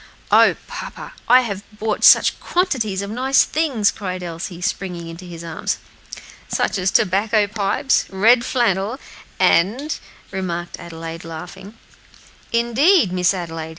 "O papa, I have bought such quantities of nice things," cried Elsie, springing into his arms. "Such as tobacco pipes, red flannel, et cetera," remarked Adelaide, laughing. "Indeed, Miss Adelaide!"